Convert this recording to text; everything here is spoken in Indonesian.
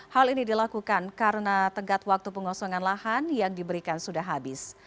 hal ini dilakukan karena tenggat waktu pengosongan lahan yang diberikan sudah habis